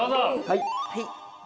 はい。